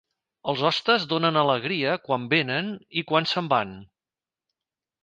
Els hostes donen alegria quan venen i quan se'n van.